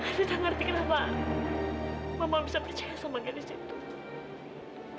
evita ngerti kenapa mama bisa percaya sama genis itu